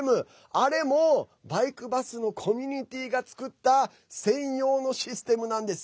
あれもバイクバスのコミュニティーが作った専用のシステムなんです。